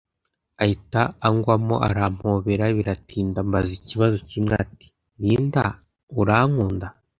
ahita angwamo arampobera biratinda ambaza ikibazo kimwe ati Linda urankunda